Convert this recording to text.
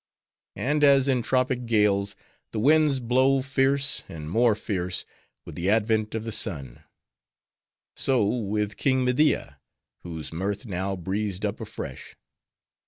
And as in tropic gales, the winds blow fierce, and more fierce, with the advent of the sun; so with King Media; whose mirth now breezed up afresh.